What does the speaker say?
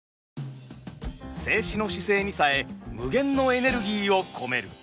静止の姿勢にさえ無限のエネルギーを込める。